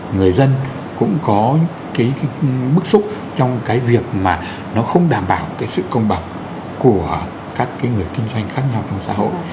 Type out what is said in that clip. người dân cũng có cái bức xúc trong cái việc mà nó không đảm bảo cái sự công bằng của các người kinh doanh khác nhau trong xã hội